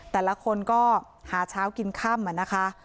แต่ละคนก็หาเช้ากินค่ำนะคะ